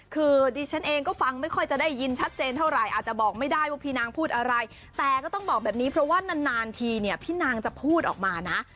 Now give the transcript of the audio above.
คือดิฉันเองก็ฟังไม่ค่อยจะได้ยินชัดเจนเท่าไหร่อาจจะบอกไม่ได้ว่าพี่นางพูดอะไรแต่ก็ต้องบอกแบบนี้เพราะว่านานทีเนี่ยพี่นางจะพูดออกมานะ